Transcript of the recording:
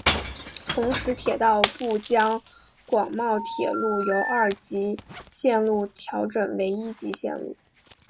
同时铁道部将广茂铁路由二级线路调整为一级线路。